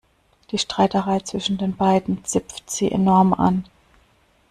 Die Streiterei zwischen den beiden zipft sie enorm an.